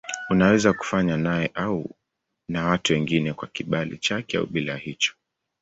Unaweza kufanywa naye au na watu wengine kwa kibali chake au bila ya hicho.